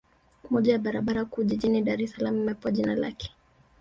Moja ya barabara kuu jijini Dar es Salaam imepewa jina lake